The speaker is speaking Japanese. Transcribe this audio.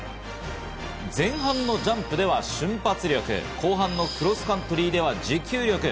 前半のジャンプでは瞬発力、後半のクロスカントリーでは持久力。